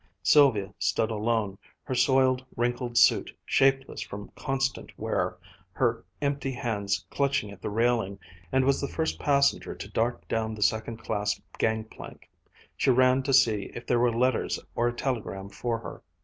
Sylvia stood alone, in her soiled wrinkled suit, shapeless from constant wear, her empty hands clutching at the railing, and was the first passenger to dart down the second class gang plank. She ran to see if there were letters or a telegram for her.